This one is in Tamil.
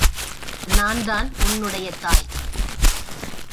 நான்தான் உன்னுடைய தாய்.